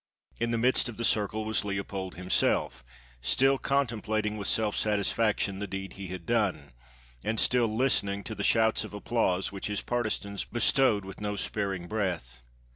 In the midst of the circle was Leopold himself, still contemplating with self satisfaction the deed he had done, and stiU listening to the shouts of applause which his partisans 611 PALESTINE bestowed with no sparing breath.